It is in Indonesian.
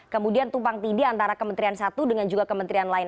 kemudian tumpang tindih antara kementerian satu dengan juga kementerian lain